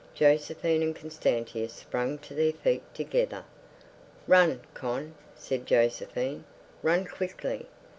Josephine and Constantia sprang to their feet together. "Run, Con," said Josephine. "Run quickly.